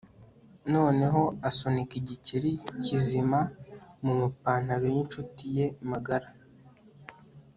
Noneho asunika igikeri kizima mumapantaro yinshuti ye magara